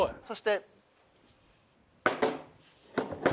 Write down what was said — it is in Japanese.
そして。